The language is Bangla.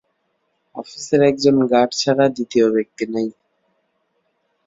অফিসের একজন গার্ড ছাড়া দ্বিতীয় ব্যক্তি নেই।